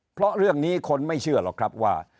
เพราะเรื่องนี้คนไม่เชื่อหรอกครับว่า